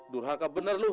duh hakka bener lu